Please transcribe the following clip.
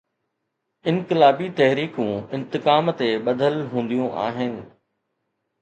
انقلابي تحريڪون انتقام تي ٻڌل هونديون آهن.